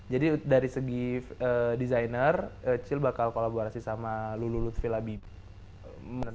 jadi dari segi desainer cil bakal kolaborasi sama lululut villa bibi